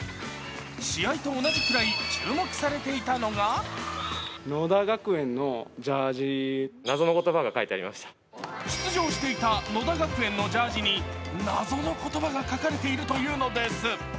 試合と同じくらい注目されていたのが出場していた野田学園のジャージに謎の言葉が書かれているというのです。